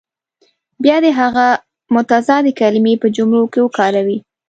بیا دې هغه متضادې کلمې په جملو کې وکاروي.